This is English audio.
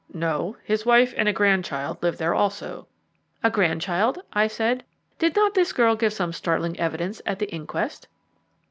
"No; his wife and a grandchild live there also." "A grandchild?" I said. "Did not this girl give some startling evidence at the inquest?"